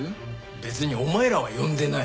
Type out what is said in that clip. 別にお前らは呼んでない。